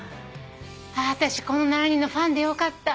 私この７人のファンでよかった。